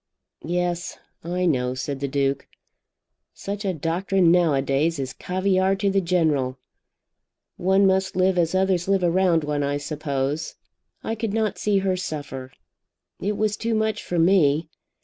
"Yes; I know," said the Duke. "Such a doctrine nowadays is caviare to the general. One must live as others live around one, I suppose. I could not see her suffer. It was too much for me.